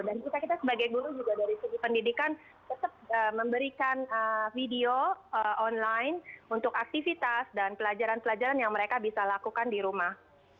dan kita kita sebagai guru juga dari segi pendidikan tetap memberikan video online untuk aktivitas dan pelajaran pelajaran yang mereka bisa lakukan di rumah